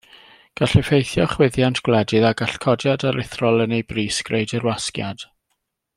Gall effeithio chwyddiant gwledydd a gall codiad aruthrol yn ei bris greu dirwasgiad.